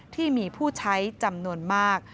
ที่มีผู้ใช้จำนวนมาก